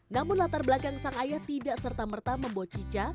namun latar belakang sang ayah tidak serta merta membawa cica